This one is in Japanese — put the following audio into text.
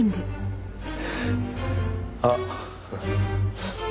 あっ。